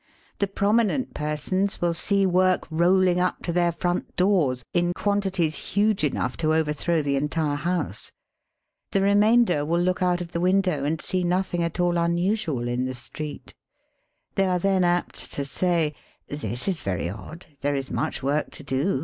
The prominent persons will see work rolling up to their front doors in quantities huge enough to overthrow the entire house. The remainder will look out of the window and see nothing at all unusual in the street. They are then apt to say : "This is very odd. There is much work to do.